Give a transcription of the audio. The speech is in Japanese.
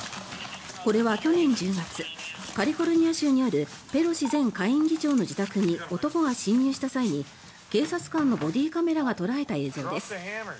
これは去年１０月カリフォルニア州にあるペロシ前下院議長の自宅に男が侵入した際に警察官のボディーカメラが捉えた映像です。